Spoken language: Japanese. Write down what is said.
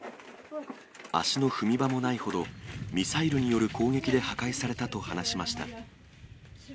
足の踏み場もないほど、ミサイルによる攻撃で破壊されたと話しました。